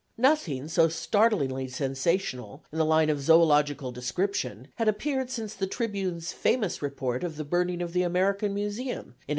Nothing so startlingly sensational in the line of zoölogical description had appeared since the Tribune's famous report of the burning of the American Museum, in 1865.